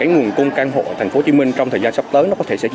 nguồn cung căn hộ tp hcm trong thời gian sắp tới